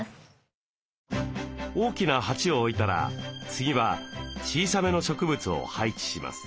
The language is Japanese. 大きな鉢を置いたら次は小さめの植物を配置します。